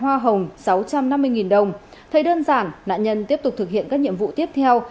nạn nhân đã trả hoa hồng sáu trăm năm mươi đồng thay đơn giản nạn nhân tiếp tục thực hiện các nhiệm vụ tiếp theo